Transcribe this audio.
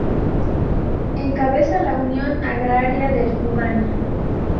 Encabeza la Unión Agraria del Kubán.